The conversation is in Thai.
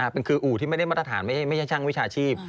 คืออู่ที่ไม่ได้มาตรฐานไม่ใช่ช่างวิชาชีพ